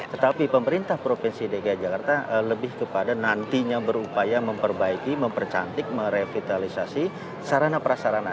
tetapi pemerintah provinsi dki jakarta lebih kepada nantinya berupaya memperbaiki mempercantik merevitalisasi sarana prasarana